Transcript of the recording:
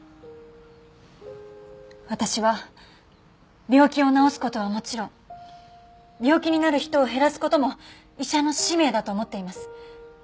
私は病気を治す事はもちろん病気になる人を減らす事も医者の使命だと思っています。